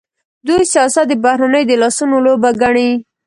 دوی سیاست د بهرنیو د لاسونو لوبه ګڼي.